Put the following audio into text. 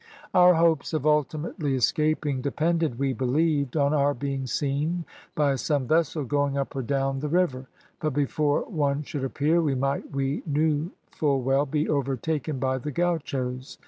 "Our hopes of ultimately escaping depended, we believed, on our being seen by some vessel going up or down the river, but before one should appear, we might, we knew full well, be overtaken by the gauchos.